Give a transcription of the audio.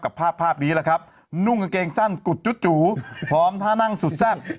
ภาพภาพนี้แหละครับนุ่งกางเกงสั้นกุดจูพร้อมท่านั่งสุดสั้น